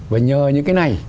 và nhờ những cái này